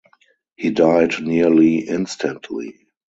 He died nearly instantly.